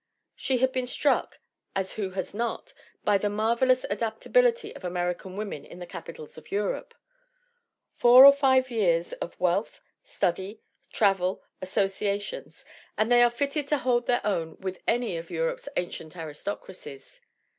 She had been struck, as who has not, by the marvelous adaptability of American women in the capitals of Europe; "four or five years of wealth, study, travel, associations, and they are fitted to hold their own with any of Europe's ancient aristocracies.